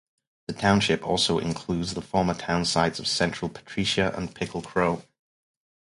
The township also includes the former townsites of Central Patricia and Pickle Crow.